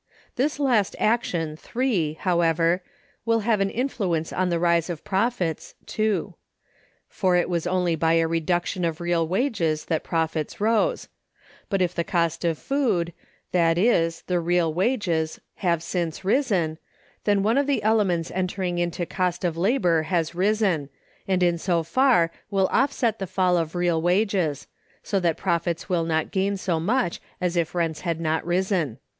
This last action (3), however, will have an influence on the rise of profits (2). For it was only by a reduction of real wages that profits rose; but if the cost of food, that is, the real wages, have since risen, then one of the elements entering into cost of labor has risen, and in so far will offset the fall of real wages; so that profits will not gain so much as if rents had not risen.